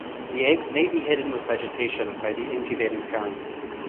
The eggs may be hidden with vegetation by the incubating parent.